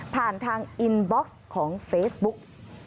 ผ่านทางอินบ็อกซ์ของเฟซบุ๊ก